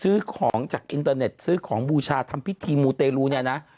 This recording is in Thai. ซื้อของจากอินเตอร์เน็ตซื้อของบูชาทำพิธีมูเตรลูเนี่ยนะ